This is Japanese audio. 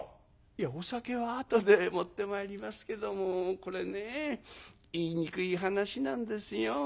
「いやお酒はあとで持ってまいりますけどもこれね言いにくい話なんですよ」。